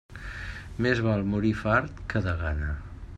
Més val morir fart que de gana.